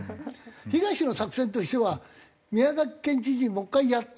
東の作戦としては宮崎県知事もう１回やって。